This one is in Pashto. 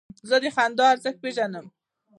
زه د خندا ارزښت پېژنم.